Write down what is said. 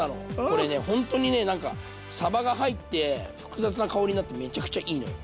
これねほんとに何かさばが入って複雑な香りになってめちゃくちゃいいのよ。